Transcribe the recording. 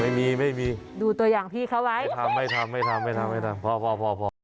ไม่มีไม่มีดูตัวอย่างพี่เขาไว้ไม่ทำไม่ทำไม่ทำไม่ทำไม่ทำพอพอพอ